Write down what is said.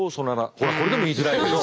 ほらこれでも言いづらいでしょ。